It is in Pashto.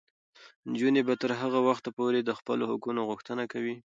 نجونې به تر هغه وخته پورې د خپلو حقونو غوښتنه کوي.